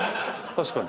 確かに。